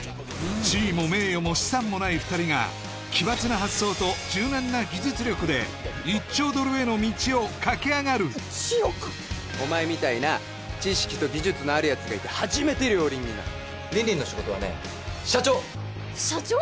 地位も名誉も資産もない２人が奇抜な発想と柔軟な技術力で１兆ドルへの道を駆け上がるお前みたいな知識と技術のあるやつがいて初めて両輪になるリンリンの仕事はね社長社長！？